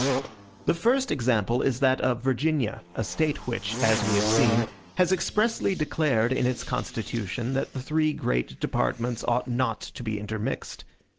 The first example is that of Virginia, a State which, as we have seen, has expressly declared in its constitution, that the three great departments ought not to be intermixed.